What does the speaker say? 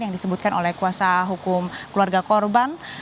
yang disebutkan oleh kuasa hukum keluarga korban